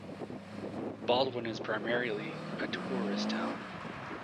Baldwin is primarily a tourist town.